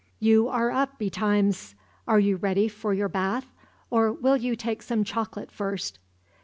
"So you are up betimes; are you ready for your bath, or will you take some chocolate first?"